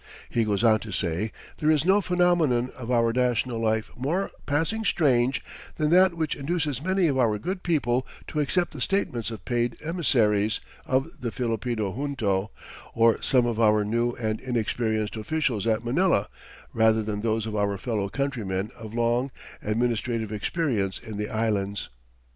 He goes on to say, "There is no phenomenon of our national life more passing strange than that which induces many of our good people to accept the statements of paid emissaries of the Filipino junto, or some of our new and inexperienced officials at Manila, rather than those of our fellow countrymen of long administrative experience in the Islands....